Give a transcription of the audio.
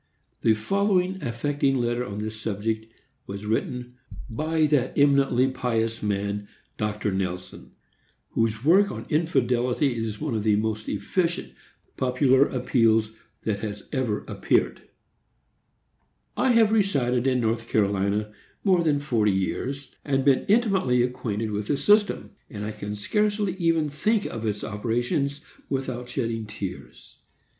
The following affecting letter on this subject was written by that eminently pious man, Dr. Nelson, whose work on Infidelity is one of the most efficient popular appeals that has ever appeared: I have resided in North Carolina more than forty years, and been intimately acquainted with the system, and I can scarcely even think of its operations without shedding tears.